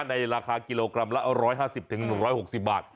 ในราคากิโลกรัมละ๑๕๐๑๖๐บาท